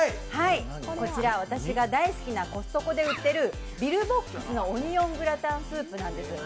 私が大好きなコストコで売っているピルボックスのオニオングラタンスープです。